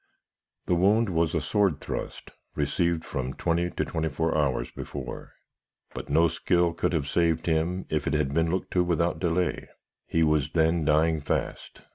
The wound was a sword thrust, received from twenty to twenty four hours before, but no skill could have saved him if it had been looked to without delay. He was then dying fast.